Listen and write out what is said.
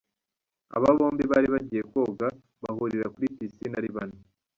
Aba bombi bari bagiye koga, bahurira kuri pisine ari bane.